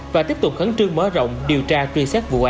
và tiếp tục khẩn trương mở rộng điều tra truy xét vụ án